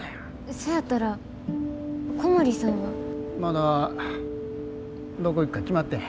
そやったら小森さんは。まだどこ行くか決まってへん。